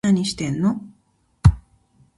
何してんの